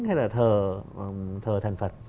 hay là thờ thần phật